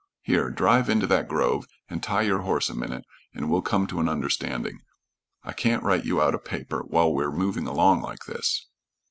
Here, drive into that grove and tie your horse a minute and we'll come to an understanding. I can't write you out a paper while we're moving along like this."